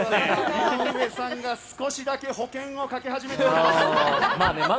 井上さんが少しだけ保険をかけ始めています。